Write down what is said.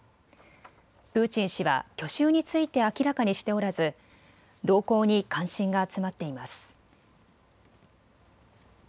プーチン氏は去就について明らかにしておらず動向に関心が集まっています。